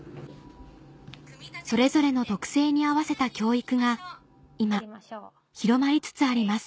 それぞれの特性に合わせた教育が今広まりつつあります